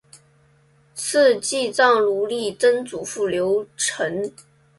赐祭葬如例曾祖父刘澄。